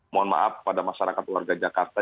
mohon maaf kepada masyarakat keluarga jakarta